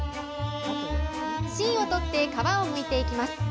芯を取って皮をむいていきます。